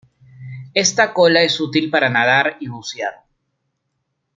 Esta cola es útil para nadar y bucear.